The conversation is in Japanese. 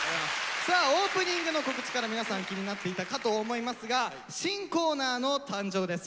さあオープニングの告知から皆さん気になっていたかと思いますが新コーナーの誕生です。